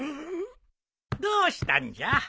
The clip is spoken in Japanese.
どうしたんじゃ？